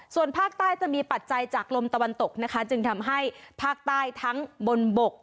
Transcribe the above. ส่วนภาคใต้จะมีปัจจัยจากลมตะวันตกนะคะจึงทำให้ภาคใต้ทั้งบนบก